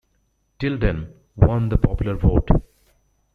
Tilden won the popular vote.